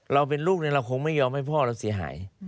เราเป็นลูกเนี่ยเราไม่รอมไว้พ่อหรือเสียหาย